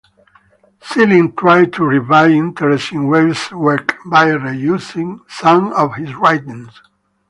Seelig tried to revive interest in Walser's work by re-issuing some of his writings.